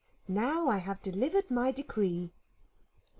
Now I have delivered my decree."